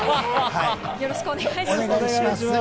よろしくお願いします。